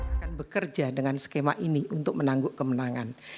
akan bekerja dengan skema ini untuk menangguk kemenangan